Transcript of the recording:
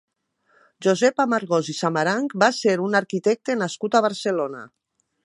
Josep Amargós i Samaranch va ser un arquitecte nascut a Barcelona.